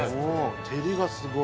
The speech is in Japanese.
照りがすごい。